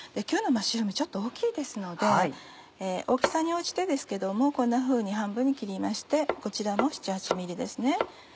今日のマッシュルームちょっと大きいですので大きさに応じてですけどもこんなふうに半分に切りましてこちらも７８ｍｍですね。